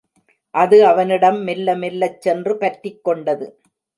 அது அவனிடம் மெல்ல மெல்லச் சென்று பற்றிக் கொண்டது.